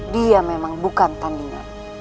dia memang bukan tandingan